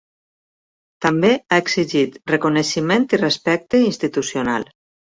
També ha exigit reconeixement i respecte institucional.